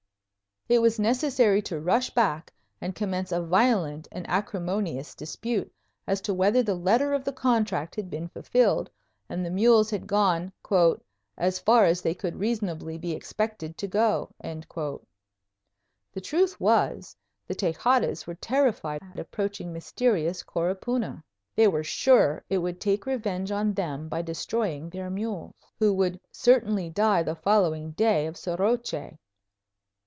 It was necessary to rush back and commence a violent and acrimonious dispute as to whether the letter of the contract had been fulfilled and the mules had gone "as far as they could reasonably be expected to go." The truth was, the Tejadas were terrified at approaching mysterious Coropuna. They were sure it would take revenge on them by destroying their mules, who would "certainly die the following day of soroche."